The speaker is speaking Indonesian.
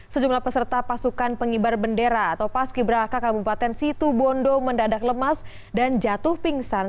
sejumlah peserta pasukan pengibar bendera atau paski beraka kabupaten situ bondo mendadak lemas dan jatuh pingsan